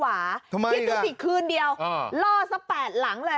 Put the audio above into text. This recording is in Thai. ทำไมอีกละอ่าอ่าพี่ตู้สิกคืนเดียวล่อสักแปดหลังเลย